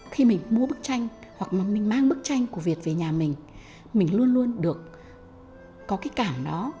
khi mình mua bức tranh hoặc mình mang bức tranh của việt về nhà mình mình luôn luôn được có cái cảm đó